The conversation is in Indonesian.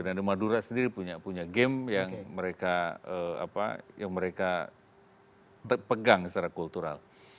dan di madura sendiri punya game yang mereka pegang secara kultural